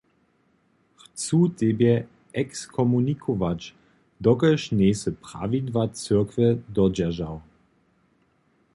Chcu tebje ekskomunikować, dokelž njejsy prawidła cyrkwje dodźeržał.